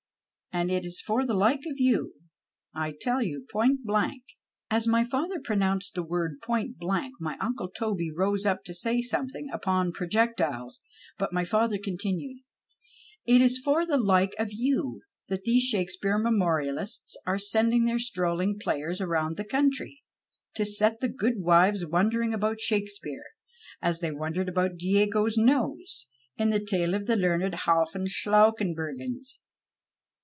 And it is for the like of you, I tell you point blank " As my father pronounced the word point blank my uncle Toby rose up to say something upon pro jectiles, but my father continued :—" It is for the like of you that these Shakespeare Memorialists are sending their strolling players around the country, to set the goodwives wondering about Shakespeare, as they wondered about Diego's nose in the tale of the learned Ilafen Slawken bergius."